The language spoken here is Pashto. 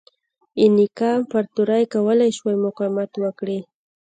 اینکا امپراتورۍ کولای شوای مقاومت وکړي.